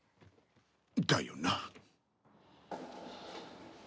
だよな。